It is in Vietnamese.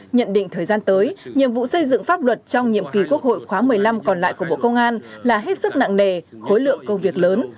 nhận định thời gian tới nhiệm vụ xây dựng pháp luật trong nhiệm kỳ quốc hội khóa một mươi năm còn lại của bộ công an là hết sức nặng nề khối lượng công việc lớn